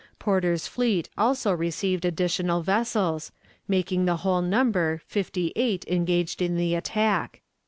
Porter's fleet also received additional vessels, making the whole number fifty eight engaged in the attack.